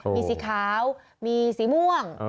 มีสีขาวมีสีม่วง